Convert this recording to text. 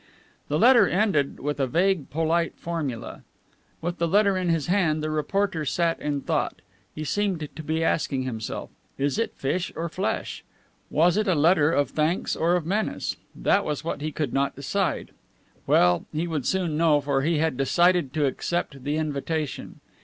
The letter ended with a vague polite formula. With the letter in his hand the reporter sat in thought. He seemed to be asking himself, "Is it fish or flesh?" Was it a letter of thanks or of menace? That was what he could not decide. Well, he would soon know, for he had decided to accept that invitation.